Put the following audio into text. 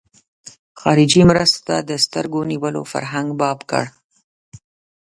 خارجي مرستو ته د سترګو نیولو فرهنګ باب کړ.